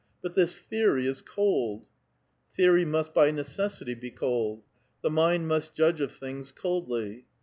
But this theory is cold !" ''Theory must by necessity be cold. The mind must judge of things coldly."